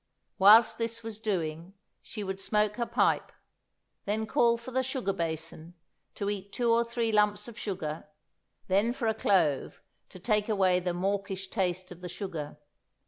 Whilst this was doing, she would smoke her pipe, then call for the sugar basin to eat two or three lumps of sugar, then for a clove to take away the mawkish taste of the sugar.